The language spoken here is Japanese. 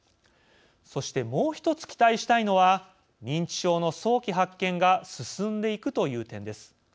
そしてもう１つ期待したいのは認知症の早期発見が進んでいくという点です。